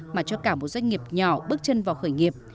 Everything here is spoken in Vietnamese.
mà cho cả một doanh nghiệp nhỏ bước chân vào khởi nghiệp